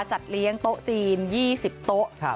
จัดเลี้ยงโต๊ะจีน๒๐โต๊ะ